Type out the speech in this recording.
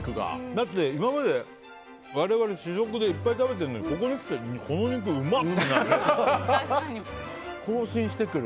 だって今まで我々、試食でいっぱい食べてるのにここに来て更新してくる。